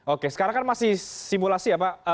oke sekarang kan masih simulasi ya pak